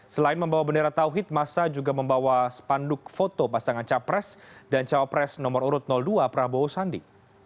selain membawa bendera tauhid masa juga membawa spanduk foto pasangan capres dan cawapres nomor urut dua prabowo sandi